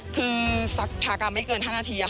คือสักพากรรมไม่เกิน๕นาที